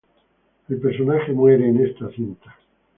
El personaje muere en esta cinta.